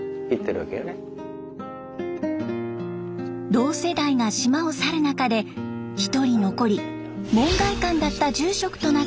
同世代が島を去る中でひとり残り門外漢だった住職となった山下さん。